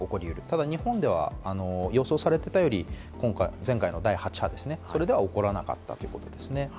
ただ日本では予想されていたより、今回、前回の第８波では起こらなかったということですね。